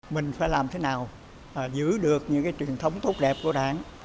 mình phải làm thế nào giữ được những cái truyền thống tốt đẹp của đảng